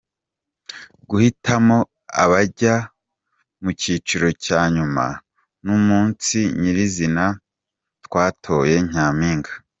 Guhitamo abajya mu kiciro cya nyuma, n’umunsi nyirizina twatoye Nyampinga.